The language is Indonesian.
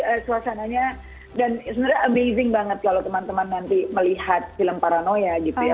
jadi suasananya dan sebenarnya amazing banget kalau teman teman nanti melihat film paranoia gitu ya